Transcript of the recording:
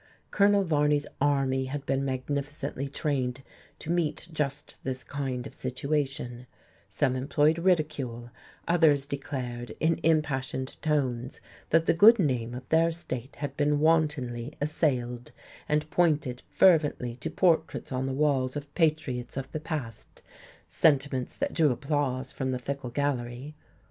Colonel Varney's army had been magnificently trained to meet just this kind of situation: some employed ridicule, others declared, in impassioned tones, that the good name of their state had been wantonly assailed, and pointed fervently to portraits on the walls of patriots of the past, sentiments that drew applause from the fickle gallery.